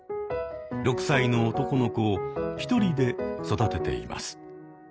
６歳の男の子を１人で育てています。